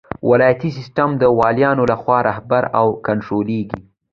ولایتي سیسټم د والیانو لخوا رهبري او کنټرولیږي.